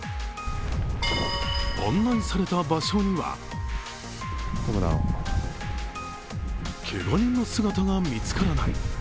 案内された場所にはけが人の姿が見つからない。